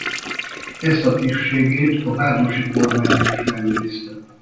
Ezt a tisztségét a Bárdossy-kormányban is megőrizte.